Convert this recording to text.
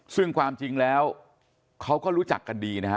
ซึ่งความจริงแล้วเขาก็รู้จักกันดีนะฮะ